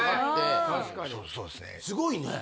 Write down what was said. すごいね。